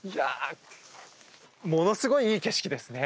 ものすごいいい景色ですね。